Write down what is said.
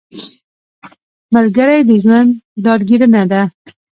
ملګری د ژوند ډاډګیرنه ده